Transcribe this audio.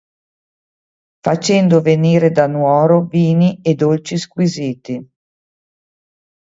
Facendo venire da Nuoro vini e dolci squisiti.